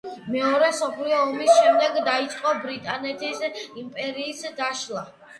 მეორე მსოფლიო ომის შემდეგ დაიწყო ბრიტანეთის იმპერიის დაშლა.